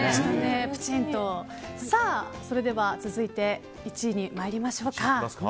それでは、続いて１位に参りましょう。